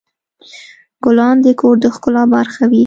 ګلان د کور د ښکلا برخه وي.